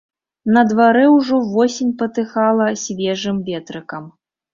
На дварэ ўжо восень патыхала свежым ветрыкам.